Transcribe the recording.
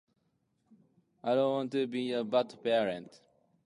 I don't want to be a bad parent.